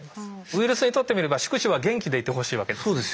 ウイルスにとってみれば宿主は元気でいてほしいわけです。